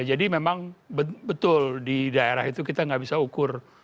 jadi memang betul di daerah itu kita gak bisa ukur